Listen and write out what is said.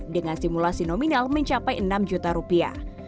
dengan simulasi nominal mencapai enam juta rupiah